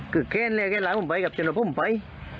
คือแค่นเลยแค่หลำ้วผมไปกับทั้งแต่ผมไป